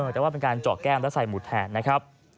แต่ว่าเป็นการเจาะแก้มและใส่หมุดแทนนะครับ